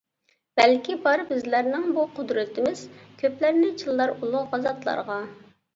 بەلكى بار، بىزلەرنىڭ بۇ قۇدرىتىمىز، كۆپلەرنى چىللار ئۇلۇغ غازاتلارغا.